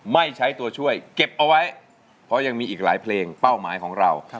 ไม่ใช้ตัวช่วยเก็บเอาไว้เพราะยังมีอีกหลายเพลงเป้าหมายของเรา